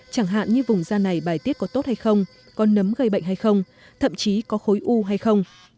chẳng hạn như vùng da này bài tiết có tốt hay không có nấm gây bệnh hay không thậm chí có khối u hay không